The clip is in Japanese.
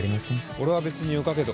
俺は別によかけど。